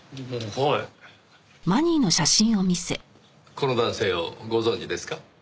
この男性をご存じですか？